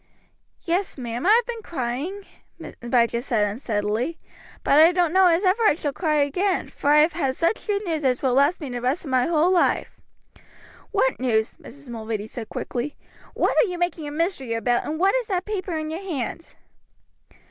"Yes, ma'am, I have been crying," Abijah said unsteadily, "but I don't know as ever I shall cry again, for I have heard such good news as will last me the rest of my whole life." "What news, Abijah?" Mrs. Mulready asked quickly. "What are you making a mystery about, and what is that paper in your hand?"